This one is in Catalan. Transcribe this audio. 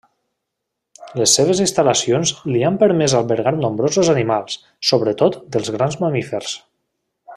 Les seves instal·lacions li han permès albergar nombrosos animals, sobretot dels grans mamífers.